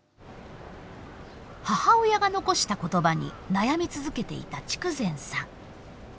母親が残した言葉に悩み続けていた筑前さん。